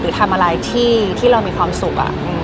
ทำอะไรที่เรามีความสุข